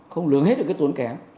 không lướng hết được cái tốn kém